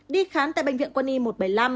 đi khám tại bệnh viện quân y một trăm bảy mươi năm